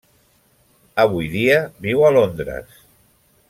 Avui dia viu a Londres.